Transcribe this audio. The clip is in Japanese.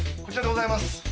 こちらでございます